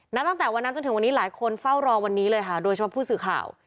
ตั้งแต่วันนั้นจนถึงวันนี้หลายคนเฝ้ารอวันนี้เลยค่ะโดยเฉพาะผู้สื่อข่าว